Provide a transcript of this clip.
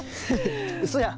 うそやん。